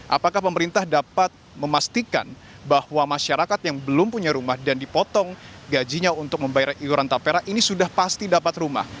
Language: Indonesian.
apakah pemerintah dapat memastikan bahwa masyarakat yang belum punya rumah dan dipotong gajinya untuk membayar iuran tapera ini sudah pasti dapat rumah